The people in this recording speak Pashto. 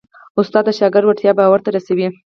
استاد د شاګرد وړتیا باور ته رسوي.